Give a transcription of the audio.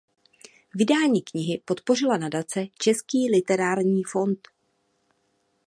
Vydání knihy podpořila Nadace Český literární fond.